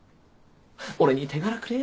俺に手柄くれよ。